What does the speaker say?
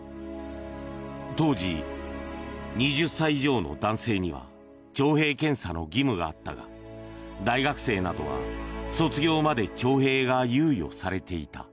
当時、２０歳以上の男性には徴兵検査の義務があったが大学生などは卒業まで徴兵が猶予されていた。